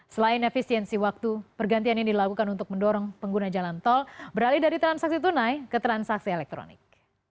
selain efisiensi waktu pergantian ini dilakukan untuk mendorong pengguna jalan tol beralih dari transaksi tunai ke transaksi elektronik